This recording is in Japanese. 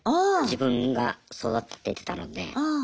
自分が育ててきたので。